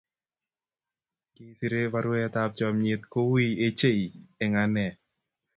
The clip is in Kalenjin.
ngesirei baruetab chomnyet kowiy ochei eng ane